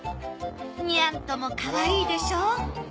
ニャンともかわいいでしょう？